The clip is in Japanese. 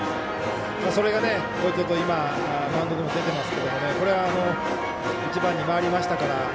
それがマウンドでも出てますけどこれは１番に回りましたから。